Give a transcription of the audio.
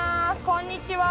こんにちは！